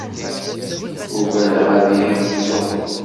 Uggadeɣ ad iyi-tettuḍ.